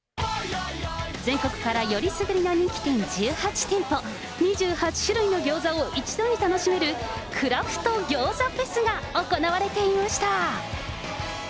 全国からよりすぐりの人気店１８店舗、２８種類の餃子を一度に楽しめる、クラフト餃子フェスが行われていました。